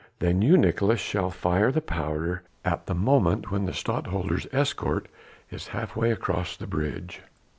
Then you Nicolaes shall fire the powder at the moment when the Stadtholder's escort is half way across the bridge....